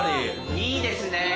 いいですね。